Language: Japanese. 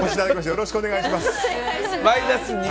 よろしくお願いします。